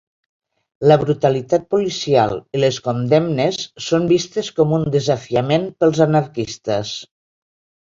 La brutalitat policial i les condemnes són vistes com un desafiament pels anarquistes.